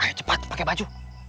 ayo cepat pake baju